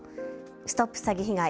ＳＴＯＰ詐欺被害！